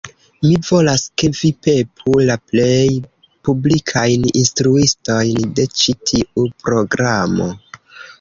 Mi volas, ke vi pepu la plej publikajn instruistojn de ĉi tiu programo